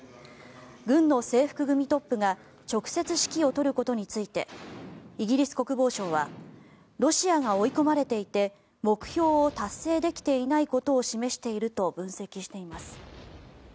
軍の制服組トップが直接指揮を執ることについてイギリス国防省はロシアが追い込まれていて目標を達成できていないことを示していると分析しています。